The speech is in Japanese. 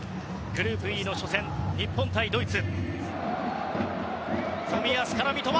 グループＥの初戦日本対ドイツ。